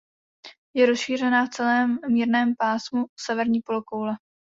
Je rozšířená v celém mírném pásmu severní polokoule.